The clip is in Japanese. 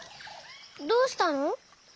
どうしたの？